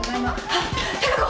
あっ貴子！